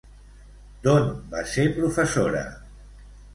D'on va ser professora?